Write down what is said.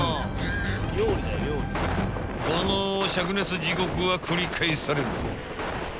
［この灼熱地獄は繰り返される］